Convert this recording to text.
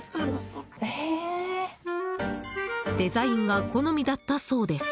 デザインが好みだったそうです。